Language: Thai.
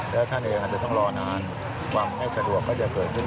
และท่านเองก็จะต้องรอนานหวังให้สะดวกก็จะเกิดขึ้น